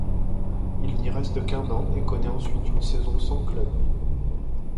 Il n'y reste qu'un an et connaît ensuite une saison sans club.